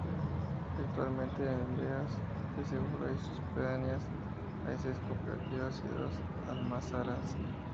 Actualmente en Beas de Segura y sus pedanías hay seis cooperativas y dos almazaras.